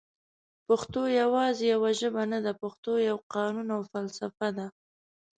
پښتو یواځي یوه ژبه نده پښتو یو قانون او فلسفه ده